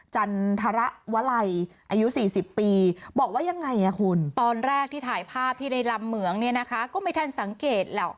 จันทรวลัยอายุ๔๐ปีบอกว่ายังไงคุณตอนแรกที่ถ่ายภาพที่ในลำเหมืองเนี่ยนะคะก็ไม่ทันสังเกตหรอก